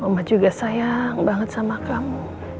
mama juga sayang banget sama kamu